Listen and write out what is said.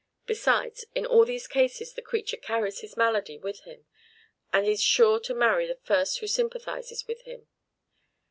Besides, in all these cases the creature carries his malady with him, and is sure to marry the first who sympathizes with him.